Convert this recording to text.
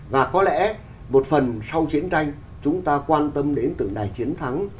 và có lẽ một phần sau chiến tranh chúng ta quan tâm đến tượng đài chiến thắng